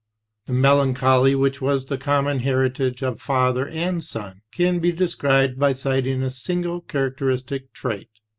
The melancholy which was the common heritage of father and son can be described by citing a single characteristic trait.